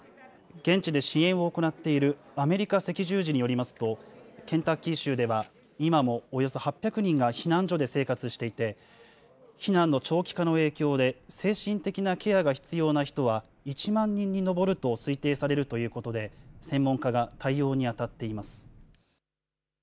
現地で支援を行っているアメリカ赤十字によりますと、ケンタッキー州では、今もおよそ８００人が避難所で生活していて、避難の長期化の影響で精神的なケアが必要な人は１万人に上ると推定されるということで、専門家が対応に当たっています。